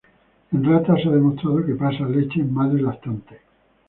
En ratas se ha demostrado que pasa a leche en madres lactantes.